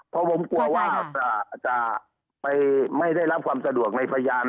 เพราะผมกลัวว่าจะไปไม่ได้รับความสะดวกในพยาน